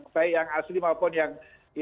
baik yang asli maupun yang